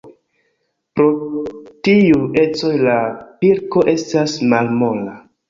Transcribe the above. Pro tiuj ecoj la pilko estas malmola.